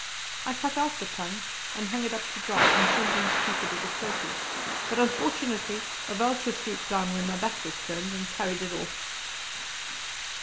I cut out the tongue and hung it up to dry, intending to keep it as a trophy; but unfortunately a vulture swooped down when my back was turned, and carried it off.